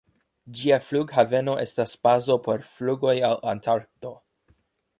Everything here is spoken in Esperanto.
Ĝia flughaveno estas bazo por flugoj al Antarkto.